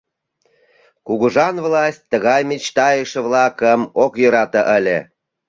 Кугыжан власть тыгай мечтайыше-влакым ок йӧрате ыле.